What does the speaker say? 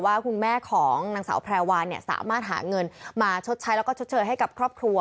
ว่าคุณแม่ของนางสาวแพรวาเนี่ยสามารถหาเงินมาชดใช้แล้วก็ชดเชยให้กับครอบครัว